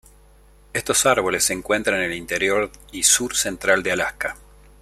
Estos árboles se encuentran en el interior y sur central de Alaska.